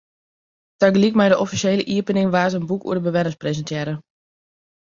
Tagelyk mei de offisjele iepening waard in boek oer de bewenners presintearre.